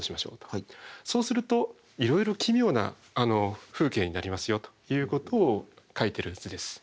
そうするといろいろ奇妙な風景になりますよということを描いてる図です。